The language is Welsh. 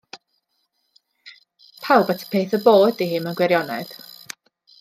Pawb at y peth y bo ydi hi mewn gwirionedd.